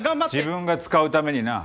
自分が使うためにな。